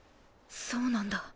そうなんだ。